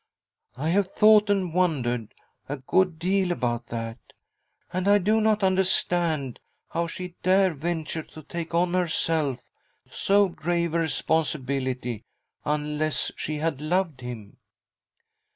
I have thought and wondered a good deal about that, and I do not understand how she dare venture to take on herself so grave a responsibility unless she had loved him."